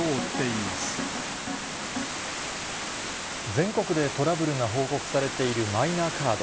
全国でトラブルが報告されているマイナカード。